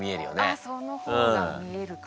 あっその方が見えるかも。